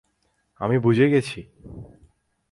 আমি বুঝে গেছি।